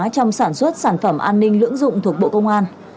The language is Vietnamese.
trong sản xuất sản phẩm an ninh lưỡng dụng thuộc bộ công an